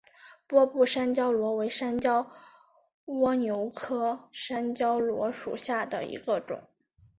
波部山椒螺为山椒蜗牛科山椒螺属下的一个种。